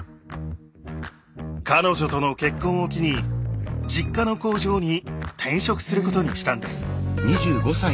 彼女との結婚を機に実家の工場に転職することにしたんです。